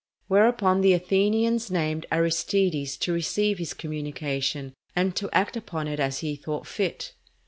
Whereupon the Athenians named Aristides to receive his communication, and to act upon it as he thought fit.